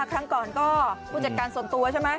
ครั้งก่อนก็ผู้จัดการส่วนตัวใช่ไหม